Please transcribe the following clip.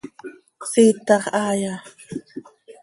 ¿Siitax haaya?